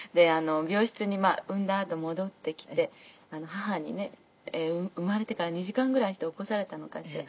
病室に産んだあと戻ってきて母にね生まれてから２時間ぐらいして起こされたのかしら。